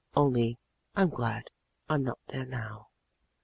Only I'm glad I'm not there now."